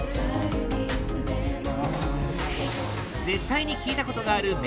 絶対に聴いたことがある！